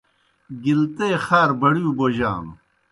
گِلتے خار بڑِیؤ بوجانوْ۔